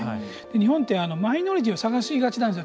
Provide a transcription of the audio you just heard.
日本って、マイノリティーを探しがちなんですよ。